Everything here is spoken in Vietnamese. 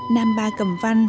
nam ba cầm văn